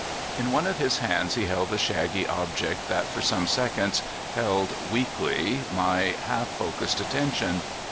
In one of his hands he held a shaggy object that for some seconds held, weakly, my half focused attention.